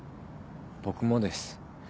僕もです。